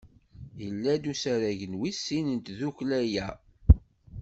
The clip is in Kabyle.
Yella-d usarag wis sin n tdukkla-a.